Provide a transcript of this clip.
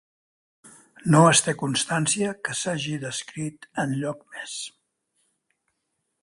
No es té constància que s'hagi descrit enlloc més.